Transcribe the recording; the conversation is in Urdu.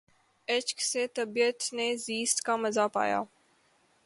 عشق سے طبیعت نے زیست کا مزا پایا